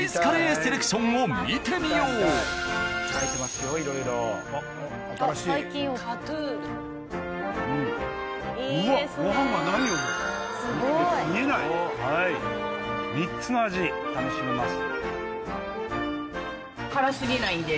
すごい。３つの味楽しめます。